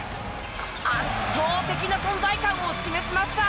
圧倒的な存在感を示しました。